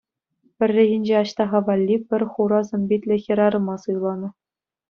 Пӗррехинче Аҫтаха валли пӗр хура сӑн-питлӗ хӗрарӑма суйланӑ.